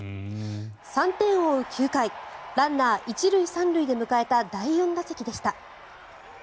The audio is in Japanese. ３点を追う９回ランナー１塁３塁で迎えた第４打席でした。